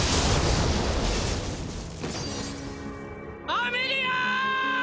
アメリア！